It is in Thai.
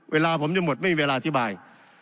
เวลาผมจะหมดไม่มีเวลาอธิบาย